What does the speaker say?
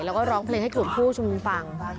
แล้วก็ร้องเพลงให้กลุ่มผู้ชุมนุมฟัง